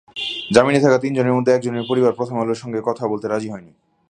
জামিনে থাকা তিনজনের মধ্যে একজনের পরিবার প্রথম আলোর সঙ্গে কথা বলতে রাজি হয়নি।